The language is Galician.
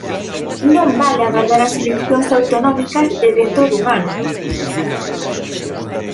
Non vale agardar ás eleccións autonómicas de dentro dun ano.